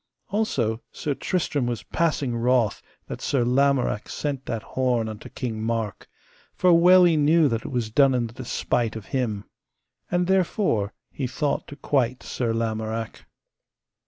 Also Sir Tristram was passing wroth that Sir Lamorak sent that horn unto King Mark, for well he knew that it was done in the despite of him. And therefore he thought to quite Sir Lamorak.